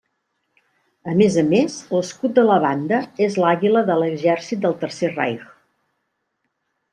A més a més, l'escut de la banda és l'àguila de l'exèrcit del Tercer Reich.